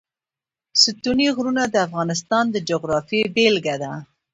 ستوني غرونه د افغانستان د جغرافیې بېلګه ده.